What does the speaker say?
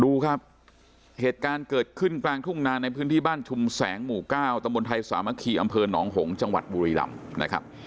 ดูครับเหตุการณ์เกิดขึ้นกลางทุ่งนาในพื้นที่บ้านชุมแสงหมู่เก้าตำบลไทยสามัคคีอำเภอหนองหงษ์จังหวัดบุรีรำนะครับ